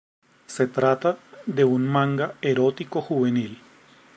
Se trata de un manga erótico juvenil.